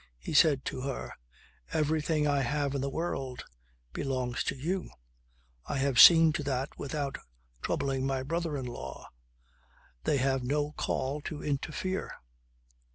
He said to her: "Everything I have in the world belongs to you. I have seen to that without troubling my brother in law. They have no call to interfere."